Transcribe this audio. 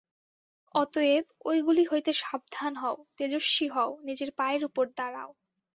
অতএব ঐগুলি হইতে সাবধান হও, তেজস্বী হও, নিজের পায়ের উপর দঁড়াও।